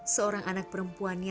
saat superior merah